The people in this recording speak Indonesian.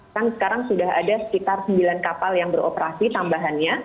kan sekarang sudah ada sekitar sembilan kapal yang beroperasi tambahannya